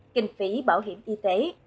kinh phí bảo hiểm y tế